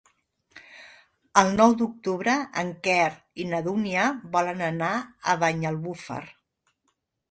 El nou d'octubre en Quer i na Dúnia volen anar a Banyalbufar.